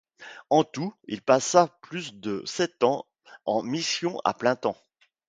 En tout, il passa plus de sept ans en mission à plein temps.